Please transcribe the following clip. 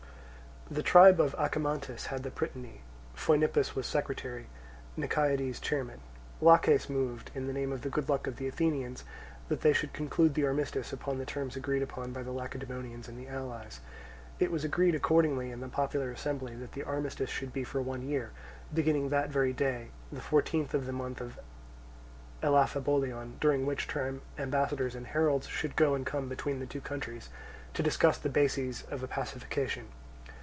The tribe of Acamantis had the prytany, Phoenippus was secretary, Niciades chairman. Laches moved, in the name of the good luck of the Athenians, that they should conclude the armistice upon the terms agreed upon by the Lacedaemonians and the allies. It was agreed accordingly in the popular assembly that the armistice should be for one year, beginning that very day, the fourteenth of the month of Elaphebolion; during which time ambassadors and heralds should go and come between the two countries to discuss the bases of a pacification.